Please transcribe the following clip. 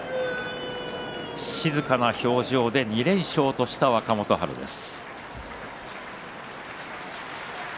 静かな表情で２連勝とした若元春です。